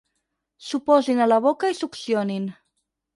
S'ho posin a la boca i succionin.